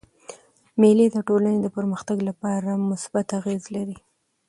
مېلې د ټولني د پرمختګ له پاره مثبت اغېز لري.